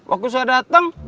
aku suruh dateng